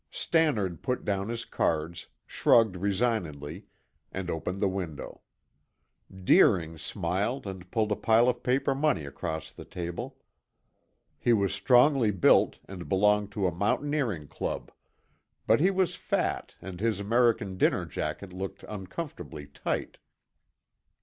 Stannard put down his cards, shrugged resignedly, and opened the window. Deering smiled and pulled a pile of paper money across the table. He was strongly built and belonged to a mountaineering club, but he was fat and his American dinner jacket looked uncomfortably tight.